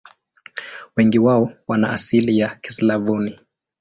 Wengi wao wana asili ya Kislavoni.